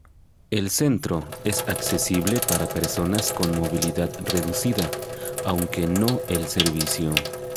El Centro es accesible para personas con movilidad reducida, aunque no el servicio.